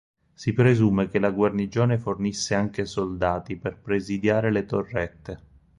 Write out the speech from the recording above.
Si presume che la guarnigione fornisse anche soldati per presidiare le torrette.